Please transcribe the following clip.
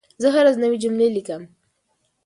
زه هره ورځ نوي جملې لیکم.